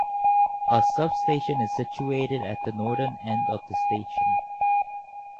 A substation is situated at the northern end of the station.